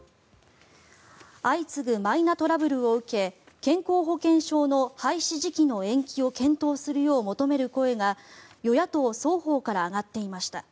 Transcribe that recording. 相次ぐマイナトラブルを受け健康保険証の廃止時期の延期を検討するよう求める声が与野党双方から上がっていました。